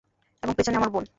এবং পেছনে আমার বোন।